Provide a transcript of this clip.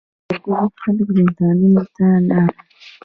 زرګونه خلک زندانونو ته لاړل.